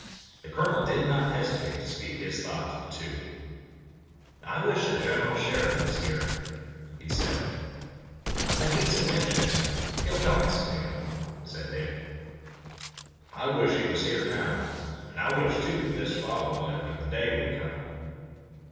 The colonel did not hesitate to speak his thought to the two. "I wish that General Sheridan was here," he said. "But he's at Winchester," said Dick. "He'll join us at noon." "I wish he was here now, and I wish, too, that this fog would lift, and the day would come.